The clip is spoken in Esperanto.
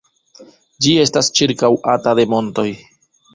Ĝi estas ĉirkaŭata de montoj.